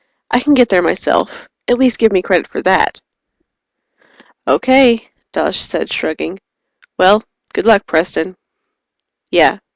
"I can get there myself. At least give me credit for that!" "Okay," Dawes said, shrugging. "Well good luck, Preston." "Yeah.